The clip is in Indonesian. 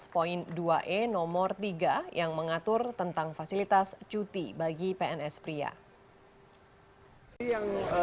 poin dua e nomor tiga yang mengatur tentang fasilitas cuti bagi pns pria